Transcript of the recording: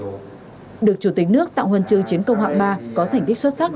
năm hai nghìn hai mươi một được chủ tịch nước tặng huân chương chiến công hạng ba có thành tích xuất sắc